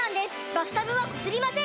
バスタブはこすりません！